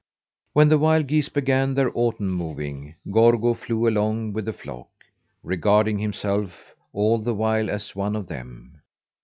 When the wild geese began their autumn moving, Gorgo flew along with the flock, regarding himself all the while as one of them.